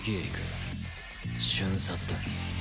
瞬殺だ。